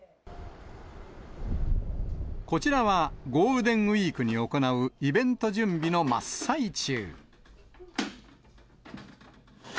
こちらはゴールデンウィークに行うイベント準備の真っ最中。